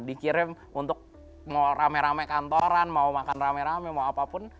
dikirim untuk mau rame rame kantoran mau makan rame rame mau apapun